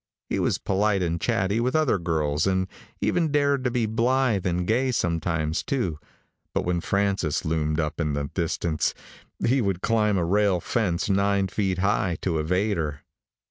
He was polite and chatty with other girls, and even dared to be blithe and gay sometimes, too, but when Frances loomed up in the distance, he would climb a rail fence nine feet high to evade her.